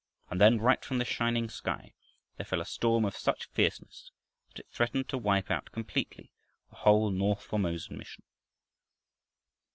And then, right from this shining sky, there fell a storm of such fierceness that it threatened to wipe out completely the whole north Formosan mission.